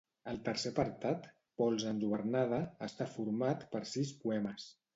El tercer apartat, Pols enlluernada, està format per sis poemes.